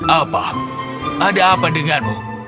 apa ada apa denganmu